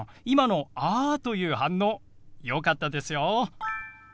今の「あ」という反応よかったですよ。